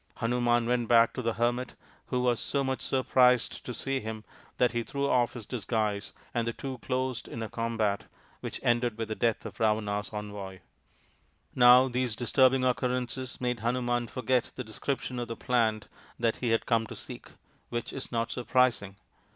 Hanuman went back to the hermit, who was so much surprised to see him that he threw off his disguise and the two closed in a combat which ended with the death of Ravana's envoy. Now these disturbing occurrences made Hanuman forget the description of the plant that he had come to seek which is not surprising.